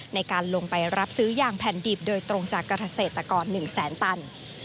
ในการลงไปรับซื้อยางแผ่นดิบโดยตรงจากเกษตรกร๑แสนตัน